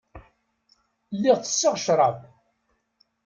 Lliɣ tesseɣ ccrab.